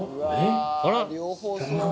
あら！